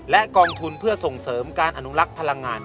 และกองทุนเพื่อส่งเสริมการอนุลักษ์พลังงาน